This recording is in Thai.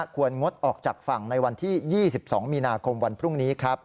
งดออกจากฝั่งในวันที่๒๒มีนาคมวันพรุ่งนี้